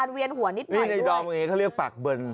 นี่ในดอลมันไงเขาเรียกปากเบิ่น